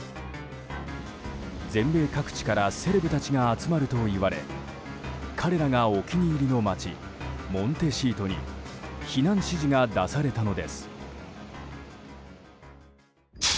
全米各地からセレブたちが集まるといわれ彼らがお気に入りの街モンテシートに避難指示が出されたのです。